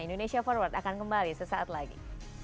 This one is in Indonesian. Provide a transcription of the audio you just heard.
indonesia forward akan kembali sesaat lagi